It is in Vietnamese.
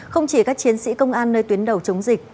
không chỉ các chiến sĩ công an nơi tuyến đầu chống dịch